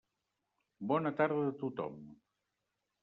Bona tarda a tothom.